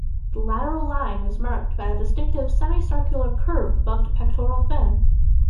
The lateral line is marked by a distinctive semi-circular curve above the pectoral fin.